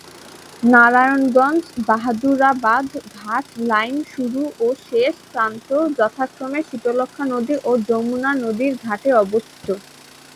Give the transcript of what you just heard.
নারায়ণগঞ্জ-বাহাদুরাবাদ ঘাট লাইন শুরু ও শেষ প্রান্ত যথাক্রমে শীতলক্ষ্যা নদী ও যমুনা নদীর ঘাটে অবস্থিত।